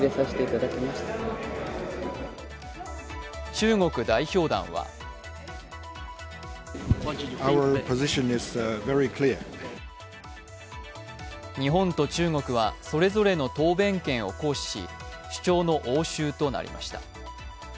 中国代表団は日本と中国はそれぞれの答弁権を行使し主張の応酬となりました。